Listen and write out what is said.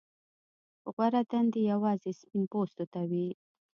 غوره دندې یوازې سپین پوستو ته وې.